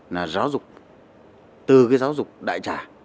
là giáo dục từ cái giáo dục đại trả